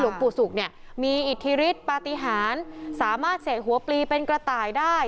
หลวงปู่ศุกร์มีอิทริตปาติหานสามารถเสกหัวปรีเป็นกระต่ายได้